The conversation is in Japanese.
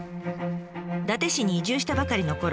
伊達市に移住したばかりのころ